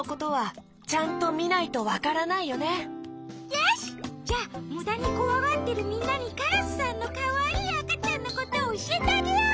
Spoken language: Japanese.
よしじゃむだにこわがってるみんなにカラスさんのかわいいあかちゃんのことをおしえてあげよう！